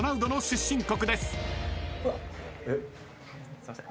すいません。